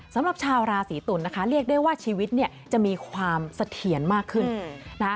สำหรับชาวราศีตุลนะคะเรียกได้ว่าชีวิตเนี่ยจะมีความเสถียรมากขึ้นนะคะ